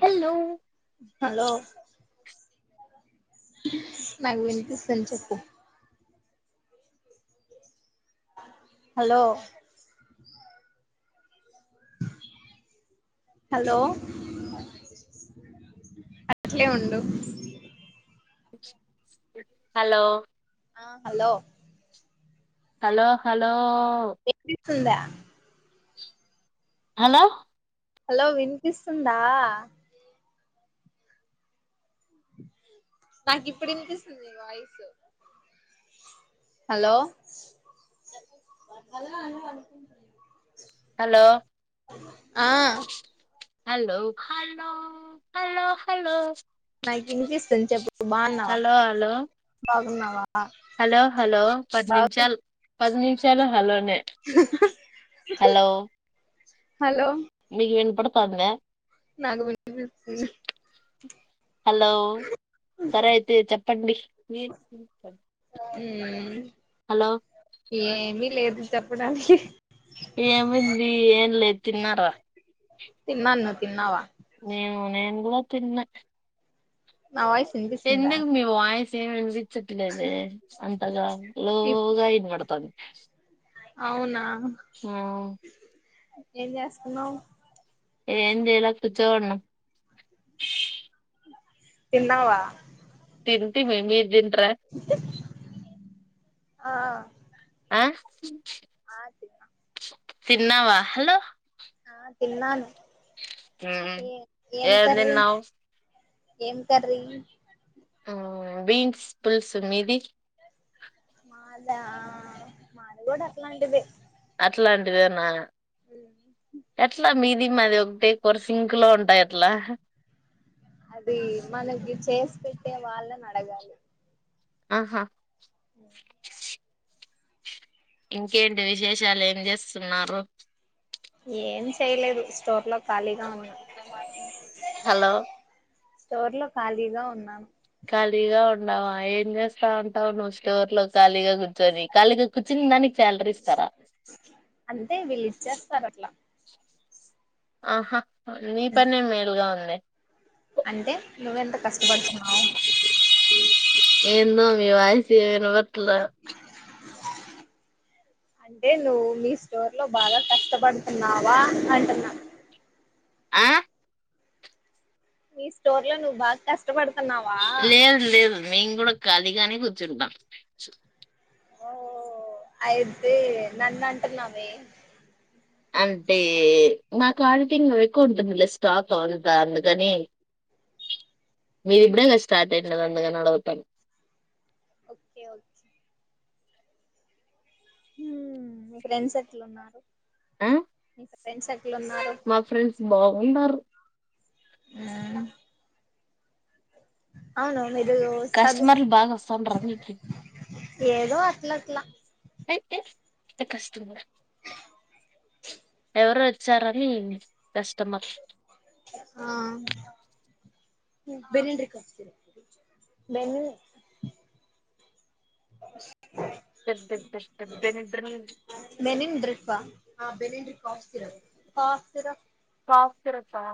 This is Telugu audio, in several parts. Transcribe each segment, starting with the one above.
హలో హలో నాగవిని తీ సం చెప్పు హలో హలోఫ్ అట్లే ఉండు హలో హలో హలో హలో ఇనిపిస్తుందా హలో హలో వినిపిస్తుందా నాకు ఇప్పుడ ఇనిపిస్తుంది వాయిసు హలో హలో ఆ హలో హలో హలో హలో నాకు ఇనిపిస్తుంది చెప్పు బాగున్నవ హలో హలో హలో బాగున్నవ హలో హలో పది నిమిషాల్ పది నిమిషాలు హలో నె హలో హలో మీకు వినపడతాంద్య నాకు వినిపిస్తుంది హ్ హలో సరే అయితె చెప్పండి ఉమ్మ్ హలో ఏమి లేదు చెప్పడానికి ఏముంది ఏం లేదు తిన్నార తిన్నాను నువ్ తిన్నావ ఉ నేను కూడ తిన్న నా వాయిస్ వినిపిస్తుందా ఎందుకు మీ వాయిస్ ఏం వినిపిచ్చట్లేదే అంతగా లో గ ఇన్బడతాంది అవున ఉమ్ ఏం జేస్తున్నవ్ ఏం జేయల కూర్చో ఉన్న తిన్నావ తింటిమి మీర్ తింట్ర ఆ అ ఆ తిన్నా తిన్నావ హలో ఆ తిన్నాను మ్మ్ ఏ ఏం కర్రీ ఏం కర్రీ ఆ బీన్స్ పులుసు మీది మాద మాది గుడ అట్లాంటిదె ఇట్లాంటిదేన ఎట్ల మీద్ మీది మాది ఒకటే కొర సింకు లో ఉంటాయి అట్ల అది మనకి చేసి పెట్టే వాళ్ళని అడగాలి ఆహా ఇంకేంటి విశేషాలు ఏం చేస్తున్నారు ఏం చేయలేదు స్టోర్ లొ హలో స్టోర్ లో ఖాళీగ ఉన్నాను ఖాళీగ ఉండావ ఏం చేస్తా ఉంటావ్ నువ్వు స్టోర్ లో ఖాళీగ కుర్చ్ ర్చొని ఖాళీగ కూర్చున్న దానికి శాలరీ ఇస్తార చేస్తారు అట్ల ఆహా మీ పనే మేలుగ ఉందె అంటె నువ్వెంత కష్టబడుతున్నావ్ ఏను అట్ల అంటె నువ్వు మీ స్టోర్ లో బాగ కష్టపడుతున్నావ అంటున్న ఆ నీ స్టోర్ లో నువ్వు బాగా కష్టపడు లేదు లేదు మేము గుడ ఖాళీగానే కూర్చుంటాం ఓహో అయితే నన్ను అంటున్నావే అంటే నాకు ఆడిటింగ్లో ఎక్కువ ఉంటుందిలే స్టాక్ అవంత అందుకని మీరిప్పుడే గా స్టార్ట్ అయి ఉండాది అందుకని అడుగుత ఓకే ఓకే హు మీ ఫ్రెండ్స్ ఎట్లున్నారు ఆ మీ ఫ్రెండ్స్ ఎట్లున్నారు మా ఫ్రెండ్స్ బాగున్నారు ఆహా అవునవును ఇదిగో చదు కస్టమర్లు బాగా వస్తుంటారు మీకు ఏదో అట్ల అట్ల ఏ, ఏ, కస్టమర్ ఎవరు వచ్చారని కస్టమర్ ఆ [unintelligible] బెను పె పె పె పె బెనిట్ర నుంచ్ మెనిన్డ్రిప్ ఆ కాఫ్ సిరప్ సిరప్ ఆ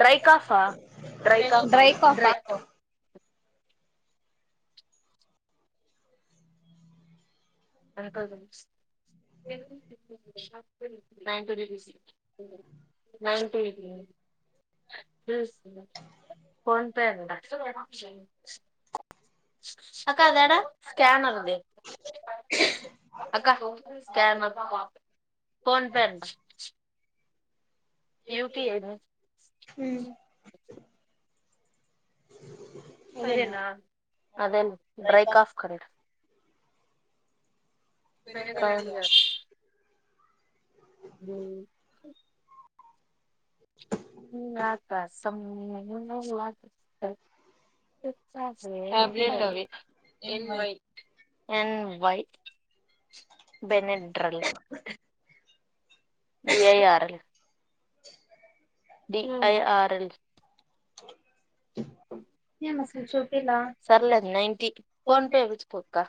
డ్రై కాఫ్ ఆ డ్రై కాఫ్ ఆ అది [unintelligible] ninety rupees ninety [unintelligible] PhonePe అంట అక్కా అదడ స్కానర్ ది అక్కా స్కానర్ ఫోన్ పే అంట యూపిఐ ఐన ఉమ్ అదేనా అదే డ్రై కాఫ్ కి అంట కానీయా బెనిండ్రిక్ హమ్ నాకాసం [unintelligible] టాబ్లెట్ అవి ఎన్ వై [unintelligible] ఎన్ వై బెనిన్ Benadryl B I R L ఉమ్ డిఐఆర్ఎల్ ఏం అసల్ చూపిలా సర్లే నైన్టీ ఫోన్ పే ఎపించుకో క్కా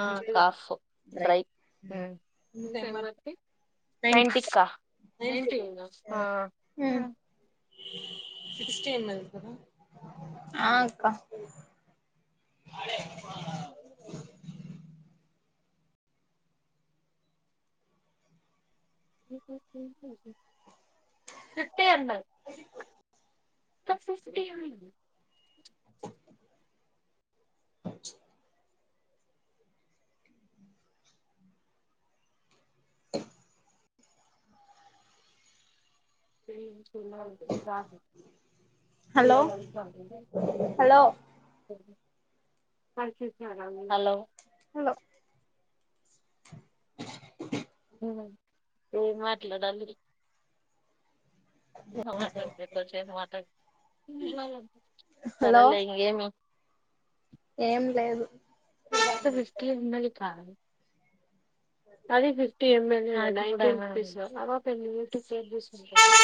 ఆ కాఫ్ డ్రై ఎంత ఇంతే ఎంఆర్ [unintelligible] నైన్టీ క్కా నైన్టీ అయ్యిందా ఆ ఆ ఉమ్ సిక్స్టీ ఎంఎల్ కదా ఆ అక్క ఫిఫ్టీ ఎంఎల్ క్కా ఫిఫ్టీ [unintelligible] రాదు మీ హలో హలో [unintelligible] [unintelligible] హలో హలో ఏం మాట్లాడాలి [unintelligible] హలో సరేలే ఇంగేమి ఏం లేదు. ఇంత దృష్టి ఉన్నది కాన్ అది ఫిఫ్టీ ఎంఎల్ నైన్టీ రూపీస్ ఆ పాప ఎందుకు షేర్ చేసుకుంటది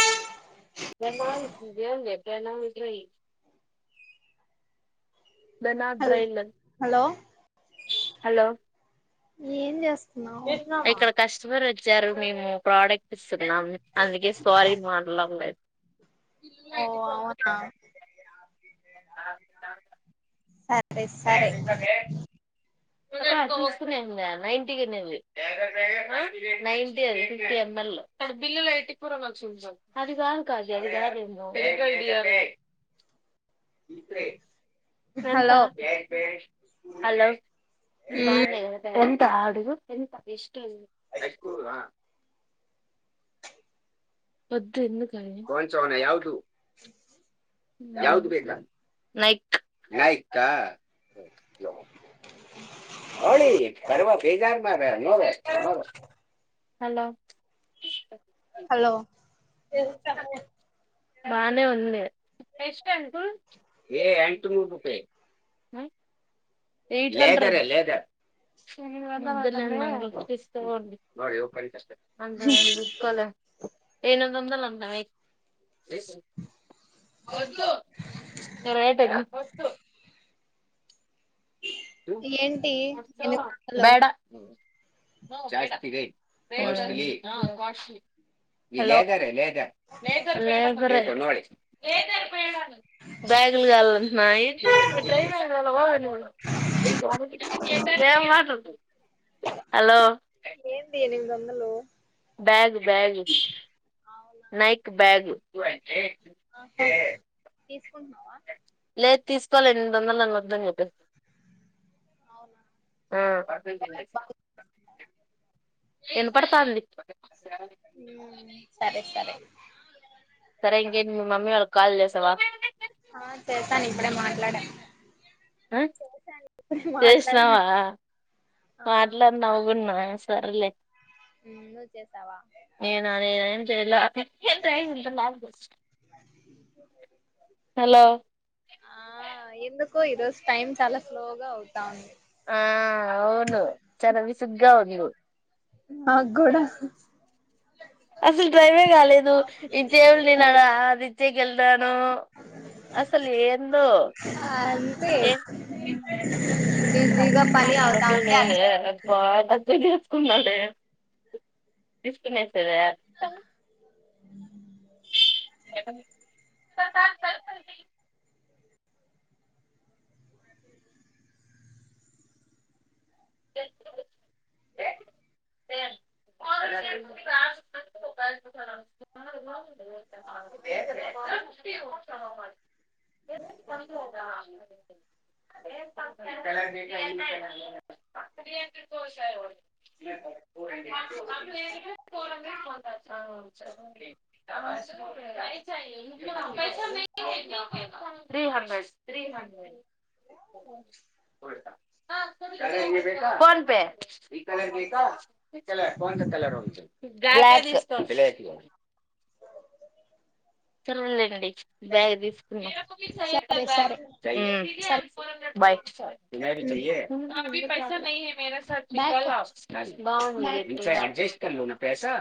[unintelligible] దనార్ హల్ డ్రైల్ హలో హలో! ఏం చేస్ ఇక్కడ కస్టమర్ వచ్చారు మేము ప్రోడక్ట్ ఇస్తున్నాం అందుకే సారీ మాల్లో [unintelligible] ఓ అవునా సరే సరే అక్క తీస్కునేందా నైన్టీకనే ఇవి నైన్టీ అది ఫిఫ్టీ ఎంఎల్ అది కాదు కావ్య అది కాదేమో ఎంత హలో హలో ఇవి ఉమ్ బాగున్నాయి కదా త అడుగు వద్దు ఎందుకవన్నీ నైక్ ఆవలి సర్వ బేజార్ మార నోగ నోగో హలో! హలో! బానే ఉంది. లేదర్యే లేదర్ అసలే ఎయినది వందల్ ఉన్నవే వద్దు వద్దు ఏంటి ఎనిమిది వందలు బేడ జగా హలో లేదరే బ్యాగుల కావాలంటున్నయి హలో ఐదు వందలు బ్యాగు అవునా నైక్ బ్యాగ్ ఆహా తీసుకుంటున్నావా లేద్ తీస్కోలె ఎనిమిది వందల్ అన్ వద్దన్ చెప్పేస్ అవునా ఆ ఇన్పడ్తాంది. ఉమ్ సరే సరే సరే ఇంకేట్ మీ మమ్మీ వాళ్ళక్ కాల్ చేసావా అప్పుడే మాట్లాడా చేశాను ఇప్పుడే మాట్లాడా చేసినవా? ఆ మాట్లాడ్ నవ్వుకున్నా సర్లే ఉమ్ నువ్వు చేసావా నేనా నేనేం చేయలా హలో ఆ ఎందుకో ఈ రోజు టైమ్ చాలా స్లో గా అవుతా ఉంది ఆ అవును చన విసుగ్గా ఉంది నాకు కూడా అసలు భయమే కాలేదు ఇచ్చే నేనుడా అది ఇచ్చేకి వెళ్తాను అసలు ఏందో అంతే బిజీగా పని అవుతా పస్సు ఉంటే అట్లే [unintelligible] అ తీసుకున్నాడే తీసుకునే [unintelligible] సే [unintelligible] అ [unintelligible] గు [unintelligible] [unintelligible] [inaudible] పైస [unintelligible] త్రీ హండ్రెడ్ త్రీ హండ్రెడ్ కల ఫోన్ పే ఈ కలర్ బేక సరే తెల కొంత తెల ర బ్లాక్కె చరందండి బ్యాగ తీసుకుందాం బగ సరే సరే బైగ చ అ పైసా మేర బాయ్ బజస్ [unintelligible] ఉమ్ కైసా